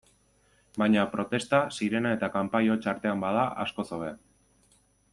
Baina protesta, sirena eta kanpai hots artean bada, askoz hobe.